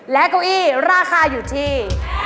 และเก้าอี้ราคาอยู่ที่